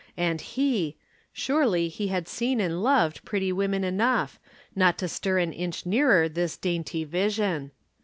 And he! Surely he had seen and loved pretty women enough, not to stir an inch nearer this dainty vision.